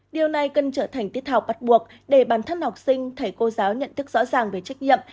điều này cần trở thành tiết học bắt buộc để bản thân học sinh thầy cô giáo nhận thức rõ ràng về trách nhiệm